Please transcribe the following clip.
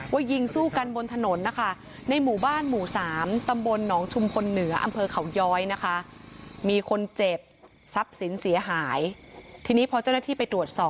ว่ายิงสู้กันบนถนนนะคะ